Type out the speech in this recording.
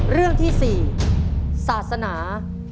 เรื่องที่๔ศาสนา